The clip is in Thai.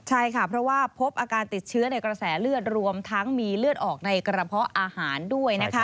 ใช่ค่ะเพราะว่าพบอาการติดเชื้อในกระแสเลือดรวมทั้งมีเลือดออกในกระเพาะอาหารด้วยนะคะ